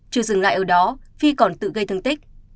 chưa dừng lại ở đó phi còn tự gây thương tích